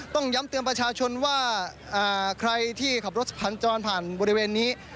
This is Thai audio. ต้องย้ำเตือนประชาชนว่าใครที่ขับรถผ่านจรผ่านบริเวณนี้